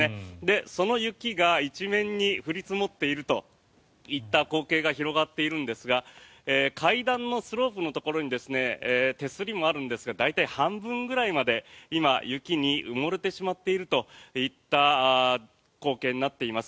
その雪が一面に降り積もっているといった光景が広がっているんですが階段のスロープのところに手すりもあるんですが大体、半分ぐらいまで今、雪に埋もれてしまっているといった光景になっています。